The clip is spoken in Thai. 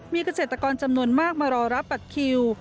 มีเกษตรกรจำนวนมากมารอรับบัตรคิว